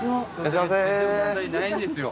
問題ないんですよ